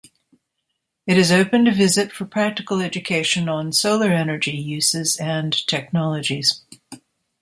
It is open to visit for practical education on solar energy uses and technologies.